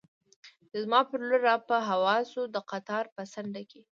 چې زما پر لور را په هوا شو، د قطار په څنډه کې.